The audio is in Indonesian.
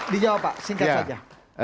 dijawab pak singkat saja